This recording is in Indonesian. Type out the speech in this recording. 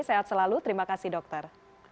sehat selalu terima kasih dokter